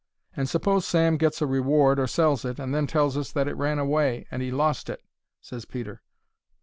"And suppose Sam gets a reward or sells it, and then tells us that it ran away and 'e lost it?" ses Peter.